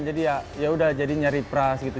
jadi ya udah jadi nyari pras gitu